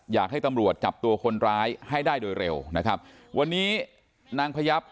อยากให้ตำรวจจับตัวคนร้ายให้ได้โดยเร็วนะครับวันนี้นางพยับ